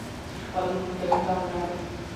چې خپلو ټولګيو ته ولاړې